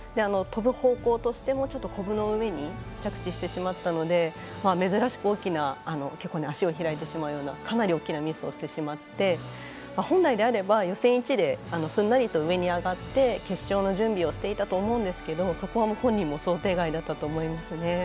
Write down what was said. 飛ぶ方向としてもちょっとコブの上に着地してしまったので珍しく大きな足を開いてしまうようなかなり大きなミスをしてしまって本来であれば、予選１ですんなりと上に上がって決勝の準備をしていたと思うんですけどそこは本人も想定外だったと思います。